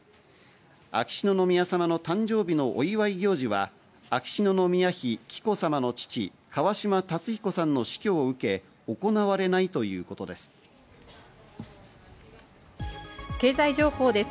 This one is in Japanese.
秋篠宮さまの誕生日のお祝い行事は、秋篠宮妃紀子さまの父・川嶋辰彦さんの死去を受け、行われないと経済情報です。